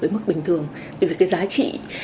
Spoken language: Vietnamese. mức bình thường tại vì cái giá trị